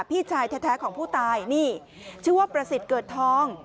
พี่ชายแท้ของผู้ตายนี่ชื่อว่าประสิทธิ์เกิดทอง